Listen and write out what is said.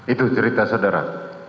itu cerita saudara